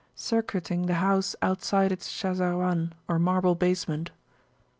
Circuiting the house outside its Shazarwan, or marble basement.